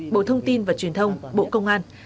bộ thông tin và truyền thông bộ công an